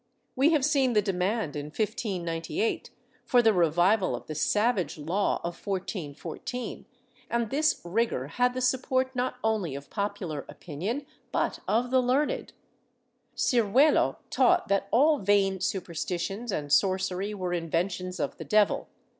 We have seen the demand, in 1598, for the revival of the savage law of 1414, and this rigor had the support not only of popular opinion but of the learned. Ciruelo taught that all vain superstitions and sorcery were inventions of the devil, where ' MSS.